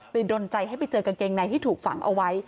ดนใจให้ไปเจอกางเกงในที่ถูกฝังเอาไว้